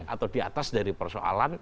atau di atas dari persoalan